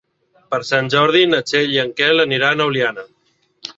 Per Sant Jordi na Txell i en Quel aniran a Oliana.